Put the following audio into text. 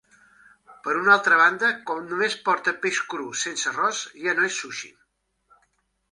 Per una altra banda, quan només porta peix cru, sense arròs, ja no és sushi.